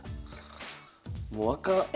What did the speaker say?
もうあかんこれ。